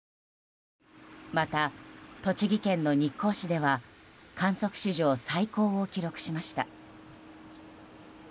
また、栃木県の日光市では観測史上最高を記録しました。